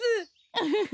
ウフフ。